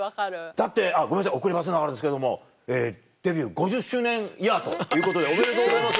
だってごめんなさい遅ればせながらですけどもデビュー５０周年イヤーということでおめでとうございます。